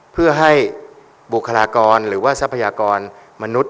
เพื่อให้บุคลากรหรือว่าทรัพยากรมนุษย์